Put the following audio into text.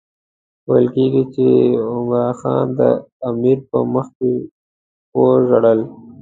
ویل کېږي چې عمرا خان د امیر په مخکې وژړل.